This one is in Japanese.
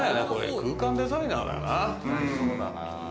空間デザイナーだな。